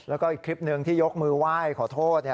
แล้วก็อีกคลิปหนึ่งที่ยกมือไหว้ขอโทษ